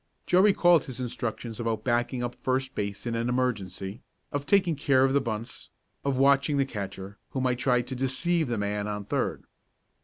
Joe recalled his instructions about backing up first base in an emergency, of taking care of the bunts, of watching the catcher, who might try to deceive the man on third.